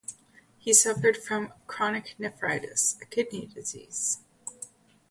He suffered from chronic nephritis, a kidney disease.